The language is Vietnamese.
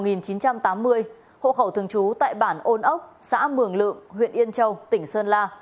hộ khẩu thường trú tại bản ôn ốc xã mường lượm huyện yên châu tỉnh sơn la